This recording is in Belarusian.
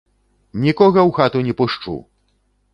Нікога ў хату не пушчу!